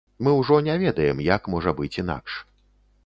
Мы ўжо не ведаем, як можа быць інакш.